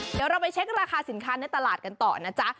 เดี๋ยวเราไปเช็คราคาสินค้าในตลาดกันต่อนะจ๊ะ